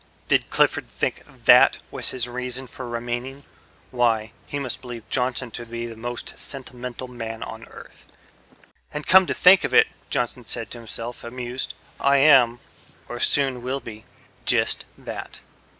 Did Clifford think that was his reason for remaining? Why, he must believe Johnson to be the most sentimental man on Earth. "And, come to think of it," Johnson said to himself, amused, "I am or soon will be just that."